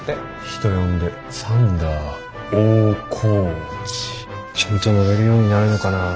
人呼んでサンダー大河内。ちゃんと乗れるようになるのかな。